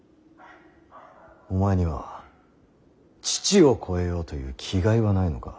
お前には父を超えようという気概はないのか。